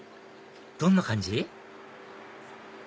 どんな感じ？